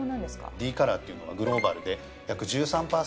Ｄカラーっていうのはグローバルで約１３％。